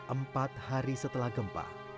empat hari setelah gempa